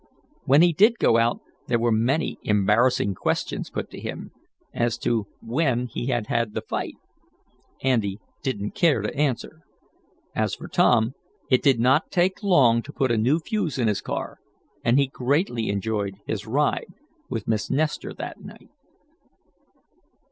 When he did go out there were many embarrassing questions put to him, as to when he had had the fight. Andy didn't care to answer. As for Tom, it did not take long to put a new fuse in his car, and he greatly enjoyed his ride with Miss Nestor that night.